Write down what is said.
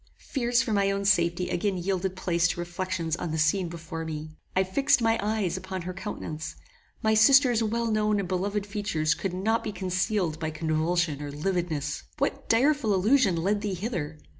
Fears for my own safety again yielded place to reflections on the scene before me. I fixed my eyes upon her countenance. My sister's well known and beloved features could not be concealed by convulsion or lividness. What direful illusion led thee hither?